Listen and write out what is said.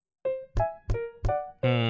うん。